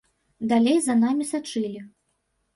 Далей за намі сачылі.